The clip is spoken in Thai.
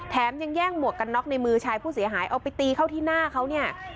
ยังแย่งหมวกกันน็อกในมือชายผู้เสียหายเอาไปตีเข้าที่หน้าเขาเนี่ย